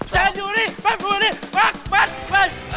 แจนอยู่นี่แม่งพูดอย่างนี้